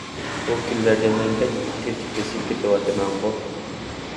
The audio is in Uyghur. بۇ كۈنلەردە مەن بەك تېتىكلىشىپ كېتىۋاتىمەنغۇ!